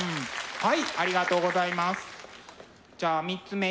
はい。